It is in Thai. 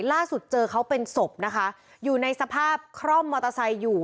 ล่าสุดเจอเขาเป็นศพนะคะอยู่ในสภาพคร่อมมอเตอร์ไซค์อยู่